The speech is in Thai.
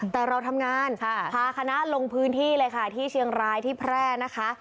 แต่เราทำงานพาคณะลงพื้นที่เลยค่ะที่เชียงรายที่แพร่นะคะ